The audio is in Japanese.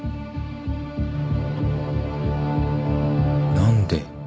何で？